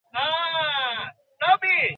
তাহলে, বোমাগুলো প্রথমে আলাদা করব আমরা।